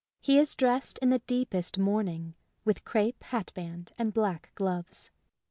He is dressed in the deepest mourning, with crape hatband and black gloves.